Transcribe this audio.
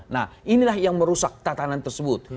nah inilah yang merusak tatanan tersebut